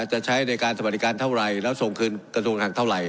จะใช้ในการสมริการเท่าไรแล้วส่งคืนกระทรวงการคลังเท่าไร